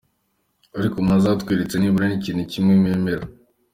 ariko mwazatweretse nibura n’ikintu kimwe mwemera ?